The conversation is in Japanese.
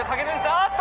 あっと！